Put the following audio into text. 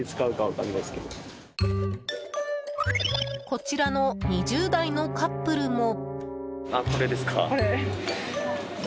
こちらの２０代のカップルも。